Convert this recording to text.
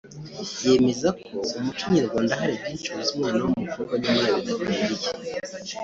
yemeza ko umuco nyarwanda hari byinshi ubuza umwana w’umukobwa nyamara bidakwiye